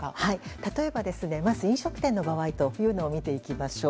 例えば、まず飲食店の場合を見ていきましょう。